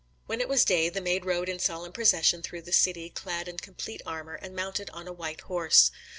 When it was day, the Maid rode in solemn procession through the city, clad in complete armour, and mounted on a white horse.